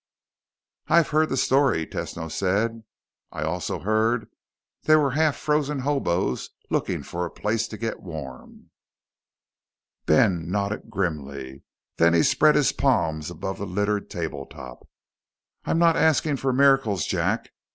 "I've heard the story," Tesno said. "I also heard they were half frozen hoboes looking for a place to get warm." Ben nodded grimly, then he spread his palms above the littered tabletop. "I'm not asking for miracles, Jack.